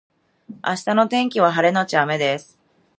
明日の天気は晴れのち雨です